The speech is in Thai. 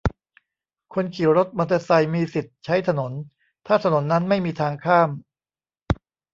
คนขี่รถมอเตอร์ไซค์มีสิทธิ์ใช้ถนน ถ้าถนนนั้นไม่มีทางข้าม